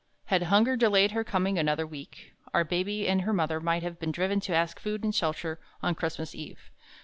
Had Hunger delayed her coming another week, Our Baby and her mother might have been driven to ask food and shelter on Christmas Eve.